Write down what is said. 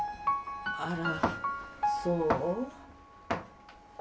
あらそう。